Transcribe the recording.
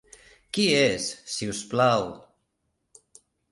Qui és, si us plau?